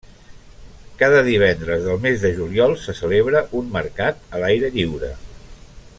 Cada divendres del mes de juliol se celebra un mercat a l'aire lliure.